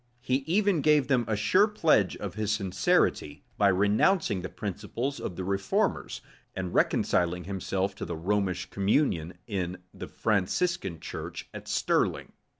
He even gave them a sure pledge of his sincerity, by renouncing the principles of the reformers, and reconciling himself to the Romish communion in the Franciscan church at Stirling.